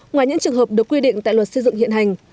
ngoài những trường hợp được quy định tại luật xây dựng hiện hành